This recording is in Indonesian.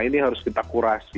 ini harus kita kurasi